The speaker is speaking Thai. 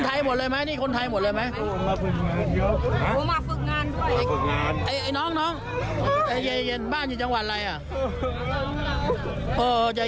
ทำงานที่ไหนกัน